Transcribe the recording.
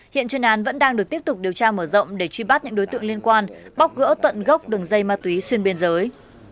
hiện chuyên án vẫn đang được tiếp tục điều tra mở rộng để truy bắt những đối tượng liên quan bóc gỡ tận gốc đường dây ma túy xuyên biên giới